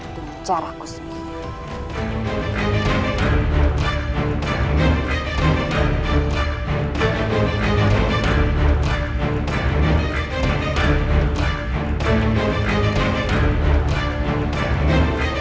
dengan caraku sendiri